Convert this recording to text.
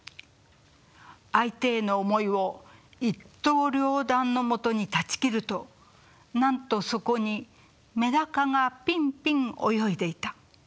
相手への思いを一刀両断のもとに断ち切るとなんとそこにメダカがぴんぴん泳いでいた。